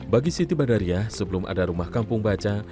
bagi siti badariah sebelum ada rumah kampung baca